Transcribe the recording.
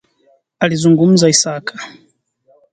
Alizungumza Isaka